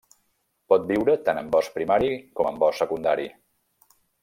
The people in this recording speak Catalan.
Pot viure tant en bosc primari com en bosc secundari.